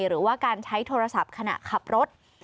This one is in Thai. หรือว่าการใช้โทรศัพท์ขณะขับรถ